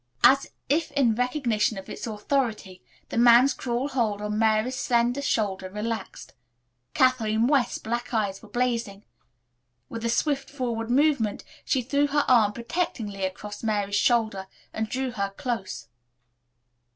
As if in recognition of its authority the man's cruel hold on Mary's slender shoulder relaxed. Kathleen West's black eyes were blazing. With a swift forward movement she threw her arm protectingly across Mary's shoulder and drew her close.